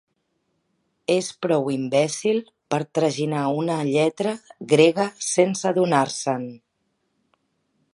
És prou imbècil per traginar una lletra grega sense adonar-se'n.